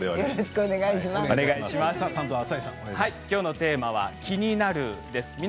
きょうのテーマは気になるです。